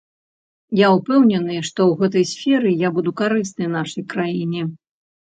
Я ўпэўнены, што ў гэтай сферы я буду карысны нашай краіне.